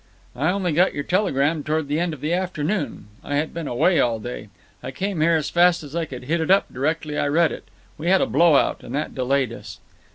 "I only got your telegram toward the end of the afternoon. I had been away all day. I came here as fast as I could hit it up directly I read it. We had a blow out, and that delayed us."